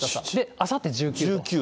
あさって１９度。